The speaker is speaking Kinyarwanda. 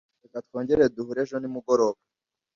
Reka twongere duhure ejo nimugoroba.